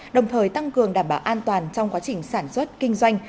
đồng thời tăng cường đảm bảo an toàn trong quá trình sản xuất kinh doanh